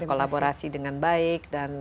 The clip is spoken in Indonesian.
kolaborasi dengan baik dan